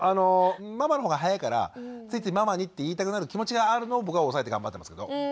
ママの方が早いからついついママにって言いたくなる気持ちがあるのを僕は押さえて頑張ってますけど。